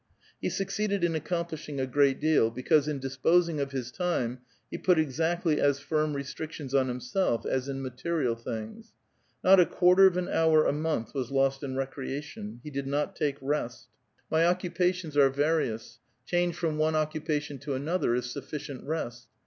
He succeeded in accomplishing a great deal, because in flisposing of his time he put exactly as firm restrictions on liimself as in material things. Not a quarter of an hour a icnonth was lost in recreation; he did not take rest. "My / 280 A VITAL QUESTION. occupations are various; change from one occupation to another is sufficient rest."